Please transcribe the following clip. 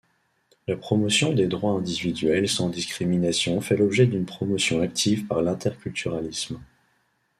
La promotion des droits individuels sans discrimination fait l'objet d'une promotion active par l'interculturalisme.